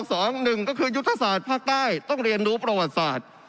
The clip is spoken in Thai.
สองหนึ่งก็คือยุทธศาสตร์ภาคใต้ต้องเรียนรู้ประวัติศาสตร์